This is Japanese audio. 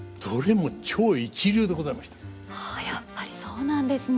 あやっぱりそうなんですね。